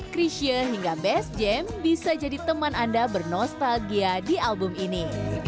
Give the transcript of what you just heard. krisha hingga best jam bisa jadi teman anda bernostalgia di album ini